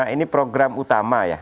ini program utama ya